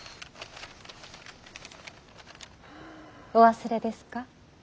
お忘れですか。